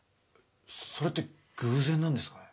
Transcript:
それって偶然なんですかね？